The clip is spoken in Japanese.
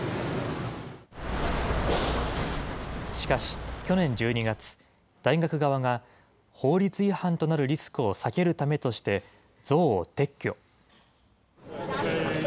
しかし、去年１２月、大学側が法律違反となるリスクを避けるためとして、像を撤去。